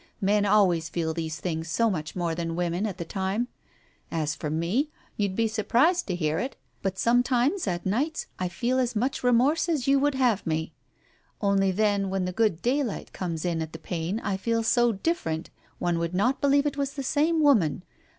Men always feel these things so much more than women, at the time. As for me, you'd be surprised to hear it, but sometimes at nights I feel as much remorse as you would have me. Only then when the good daylight comes in at the pane I feel so different, one would not believe it was the same woman.